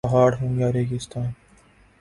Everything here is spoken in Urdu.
پہاڑ ہوں یا ریگستان